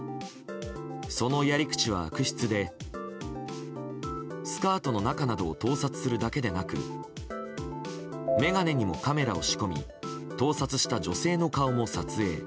そのやり口は悪質でスカートの中などを盗撮するだけではなく眼鏡にもカメラを仕込み盗撮した女性の顔も撮影。